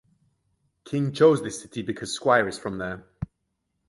King chose this city because squire is from there.